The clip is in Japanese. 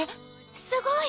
すごい。